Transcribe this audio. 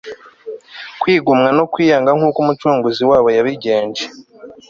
kwigomwa no kwiyanga nkuko Umucunguzi wabo yabigenje